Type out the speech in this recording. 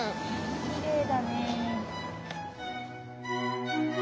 きれいだね。